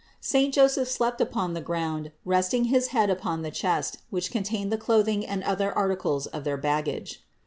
Saint Joseph slept upon the ground, resting his head upon the chest, which contained the clothing and other articles of their baggage.